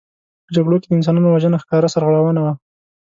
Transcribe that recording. په جګړو کې د انسانانو وژنه ښکاره سرغړونه وه.